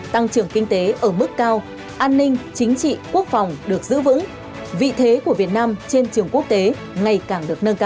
tăng trưởng kinh tế ở mức cao an ninh chính trị quốc phòng được giữ vững vị thế của việt nam trên trường quốc tế ngày càng được nâng cao